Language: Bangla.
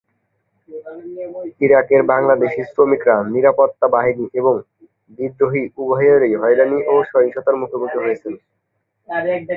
ইরাকের বাংলাদেশী শ্রমিকরা নিরাপত্তা বাহিনী এবং বিদ্রোহী উভয়েরই হয়রানি ও সহিংসতার মুখোমুখি হয়েছেন।